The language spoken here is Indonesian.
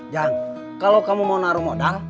jangan kalau kamu mau naruh modal